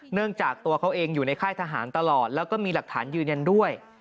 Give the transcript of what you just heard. เนื่องจากตัวเขาเองอยู่ในค่ายทหารตลอดแล้วก็มีหลักฐานยืนยันด้วย